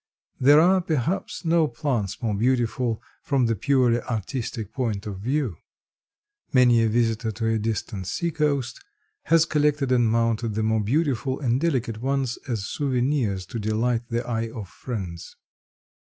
There are perhaps no plants more beautiful from the purely artistic point of view. Many a visitor to a distant sea coast has collected and mounted the more beautiful and delicate ones as souvenirs to delight the eye of friends.